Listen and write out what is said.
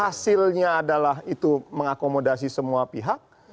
hasilnya adalah itu mengakomodasi semua pihak